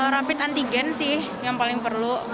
rapid antigen sih yang paling perlu